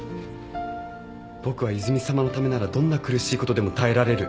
僕は泉さまのためならどんな苦しいことでも耐えられる。